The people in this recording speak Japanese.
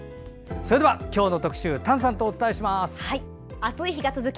では、今日の特集丹さんとお伝えいたします。